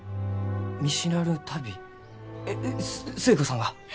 えっ寿恵子さんが？